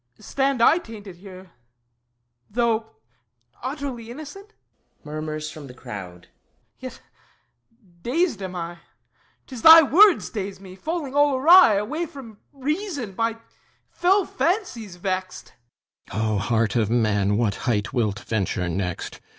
Stand I tainted here, Though utterly innocent? [Murmurs from the crowd.] Yea, dazed am I; 'Tis thy words daze me, falling all awry, Away from reason, by fell fancies vexed! THESEUS O heart of man, what height wilt venture next?